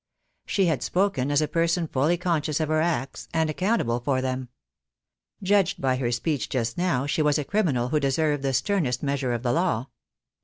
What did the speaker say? She had spoken as a person fully conscious of her acts, and accountable for them. Judged by her speech just now she was a criminal who deserved the sternest measure of the law.